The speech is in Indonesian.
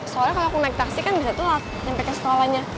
soalnya kalau aku naik taksi kan biasa tuh lah nyampe ke stualannya